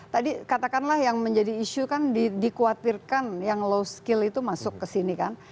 tadi katakanlah yang menjadi isu kan dikhawatirkan yang low skill itu masuk ke sini kan